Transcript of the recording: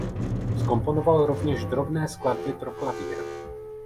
Zkomponoval rovněž drobné skladby pro klavír.